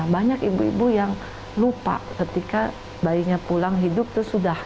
banyak ibu ibu yang lupa ketika bayinya pulang hidup itu sudah